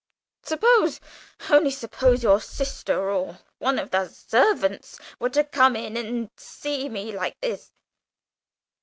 Suppose only suppose your sister or one of the servants were to come in, and see me like this!"